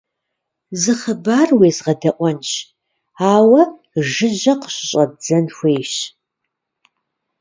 Зы хъыбар уезгъэдэӀуэнщ, ауэ жыжьэ къыщыщӀэздзэн хуейщ.